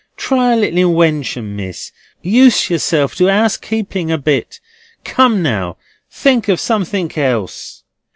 Try a little inwention, Miss. Use yourself to 'ousekeeping a bit. Come now, think of somethink else."